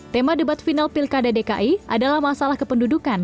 tema debat final pilkada dki adalah masalah kependudukan